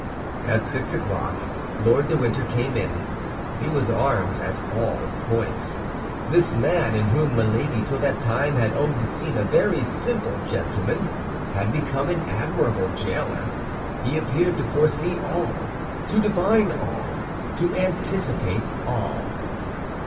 At six o'clock Lord de Winter came in. He was armed at all points. This man, in whom Milady till that time had only seen a very simple gentleman, had become an admirable jailer. He appeared to foresee all, to divine all, to anticipate all.